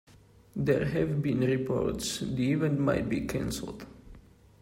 There have been reports the event might be canceled.